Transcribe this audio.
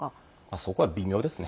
そこは微妙ですね。